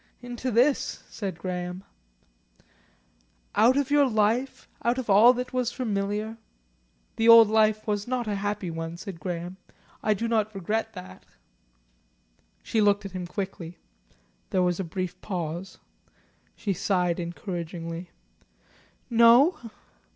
"Into this," said Graham. "Out of your life out of all that was familiar." "The old life was not a happy one," said Graham. "I do not regret that." She looked at him quickly. There was a brief pause. She sighed encouragingly. "No?"